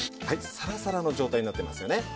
サラサラの状態になってますよね。